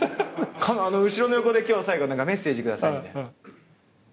後ろの横で今日最後メッセージ下さいみたいな。